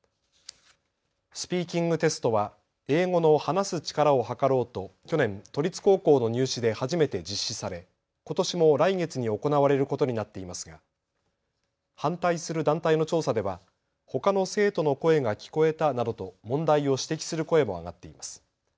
スピーキングテストは英語の話す力をはかろうと去年、都立高校の入試で初めて実施され、ことしも来月に行われることになっていますが反対する団体の調査ではほかの生徒の声が聞こえたなどと問題を指摘する声も上がっています。